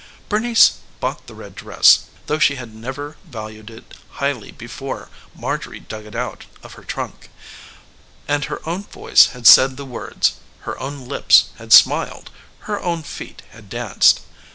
Bernice had bought the red dress, though she had never valued it highly before Marjorie dug it out of her trunk and her own voice had said the words, her own lips had smiled, her own feet had danced.